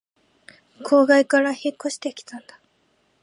郊外から引っ越してきたんだ